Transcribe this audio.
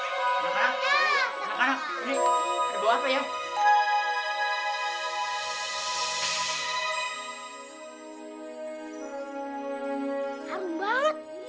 iya harum banget